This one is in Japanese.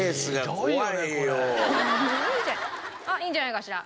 あっいいんじゃないかしら？